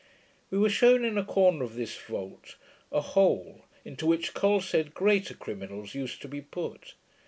We were shewn, in a corner of this vault, a hole, into which Col said greater criminals used to be put.